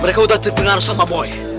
mereka udah terdengar sama boy